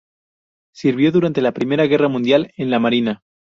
Sirvió durante la Primera Guerra Mundial en la Marina.